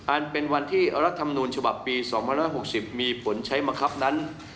อันเป็นวันที่รัฐธรรมนูญฉบับปี๒๖๐มีผลใช้มะครับนั้น